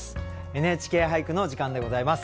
「ＮＨＫ俳句」の時間でございます。